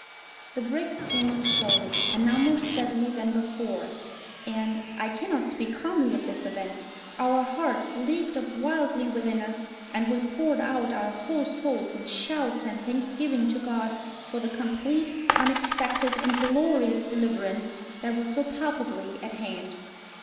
The brig came on slowly, and now more steadily than before, and—I cannot speak calmly of this event—our hearts leaped up wildly within us, and we poured out our whole souls in shouts and thanksgiving to God for the complete, unexpected, and glorious deliverance that was so palpably at hand.